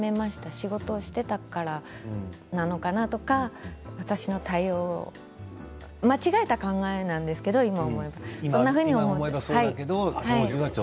仕事をしていたからなのかなとか私の対応、間違えた考えなんですけど、今思えばそんなふうに思いました。